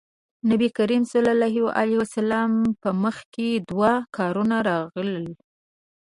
نبي کريم ص په مخکې دوه کارونه راغلل.